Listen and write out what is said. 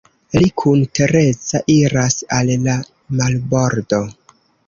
Li kun Tereza iras al la marbordo.